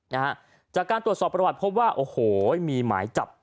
นะฮะจากการตรวจสอบประวัติพบว่าโอ้โหมีหมายจับ